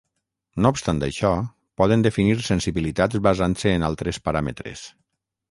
No obstant això poden definir sensibilitats basant-se en altres paràmetres.